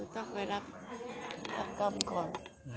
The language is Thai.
ต้องไปรับผักต้อมก่อน